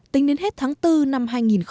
tính đến hết tháng bốn năm hai nghìn một mươi chín